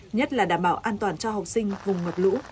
nhất là đảm bảo an toàn cho học sinh vùng ngập lũ